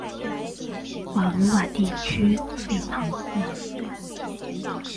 瓦卢瓦地区贝唐库尔。